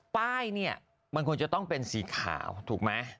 ป้ายมันคงจะต้องเป็นสีขาวถูกไหม